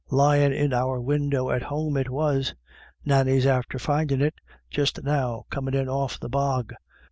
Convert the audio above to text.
" Lyin' in our window at home it was ; Nannie's after findin' it just now, comin' in off the bog.